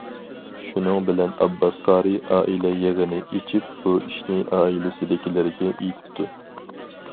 شۇنىڭ بىلەن ئابباس قارى‹‹ ئائىلە يىغىنى›› ئېچىپ، بۇ ئىشنى ئائىلىسىدىكىلەرگە ئېيتىپتۇ.